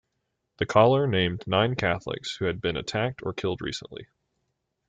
The caller named nine Catholics who had been attacked or killed recently.